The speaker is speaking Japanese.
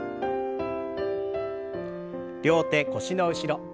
両手腰の後ろ。